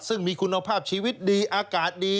ซึ่งมีคุณภาพชีวิตดีอากาศดี